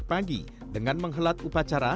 tak enak rasanya